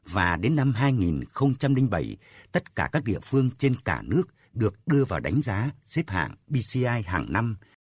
và đến năm hai nghìn bảy tất cả các địa phương trên cả nước được đưa vào đánh giá xếp hạng bci hàng năm